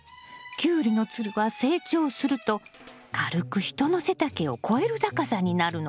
キュウリのつるは成長すると軽く人の背丈を越える高さになるの。